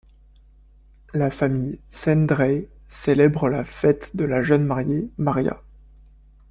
La famille Szendrey célèbre la fête de la jeune mariée, Maria.